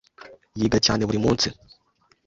Yiga cyane buri munsi.